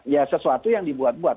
ya sesuatu yang dibuat buat